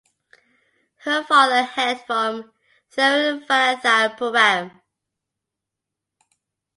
Her father hailed from Thiruvananthapuram.